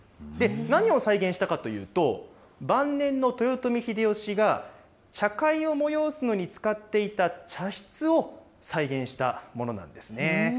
何を再現したかというと、晩年の豊臣秀吉が、茶会を催すのに使っていた茶室を再現したものなんですね。